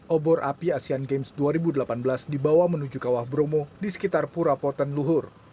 obor api asean games dua ribu delapan belas dibawa menuju kawah bromo di sekitar pura poten luhur